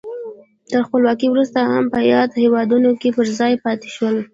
تر خپلواکۍ وروسته هم په یادو هېوادونو کې پر ځای پاتې شول.